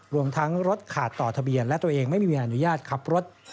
รวมทั้งรถขาดต่อทะเบียนและตัวเองไม่มีอนุญาตขับรถ